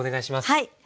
はい。